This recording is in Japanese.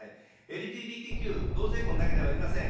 ＬＧＢＴＱ、同性婚だけではありません。